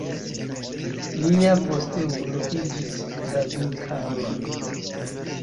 Lia posteulo iĝis David Cameron.